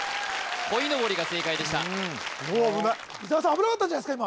こいのぼりが正解でしたおお危ない危なかったんじゃないすか？